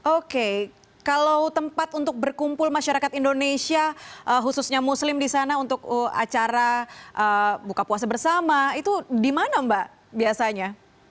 oke kalau tempat untuk berkumpul masyarakat indonesia khususnya muslim di sana untuk acara buka puasa bersama itu di mana mbak biasanya